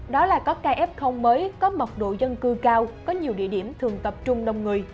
đó là có caf mới có mật độ dân cư cao có nhiều địa điểm thường tập trung đông người